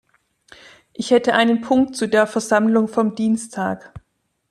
Ich hätte einen Punkt zu der Versammlung vom Dienstag.